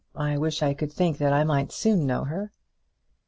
I wish I could think that I might soon know her."